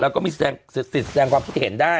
แล้วก็มีสิทธิ์แสดงความคิดเห็นได้